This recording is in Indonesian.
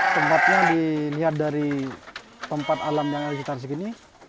tempatnya dilihat dari tempat alam yang ada di sekitar segini